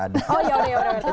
oh iya udah kita bersama kami